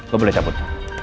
lo boleh dapet